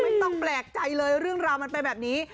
ไม่ต้องแปลกใจเลยเรื่องราวมันเป็นแบบนี้